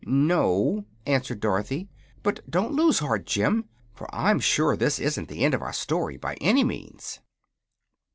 "No," answered Dorothy. "But don't you lose heart, Jim, for I'm sure this isn't the end of our story, by any means."